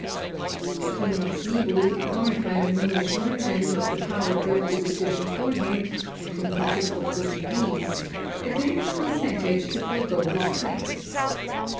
The king of Zebu, warned by the Moorish merchant, of the power of those who stood before him, and whom he took for Portuguese, at length consented to forego his claims.